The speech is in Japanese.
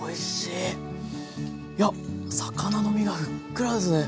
いや魚の身がふっくらですね！